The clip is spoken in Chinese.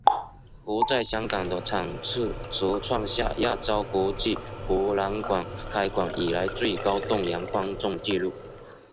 而在香港的场次则创下亚洲国际博览馆开馆以来最高动员观众记录。